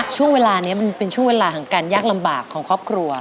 ช่วงเวลานี้มันเป็นช่วงเวลาของการยากลำบากของครอบครัว